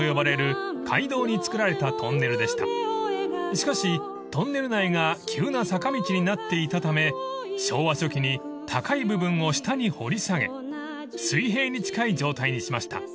［しかしトンネル内が急な坂道になっていたため昭和初期に高い部分を下に掘り下げ水平に近い状態にしました］